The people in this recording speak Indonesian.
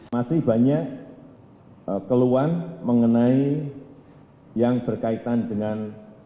masih banyak keluhan mengenai yang berkaitan dengan